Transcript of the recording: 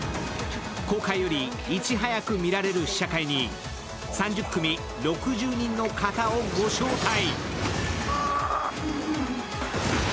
公開よりいち早く見られる試写会に３０組６０人の方をご招待。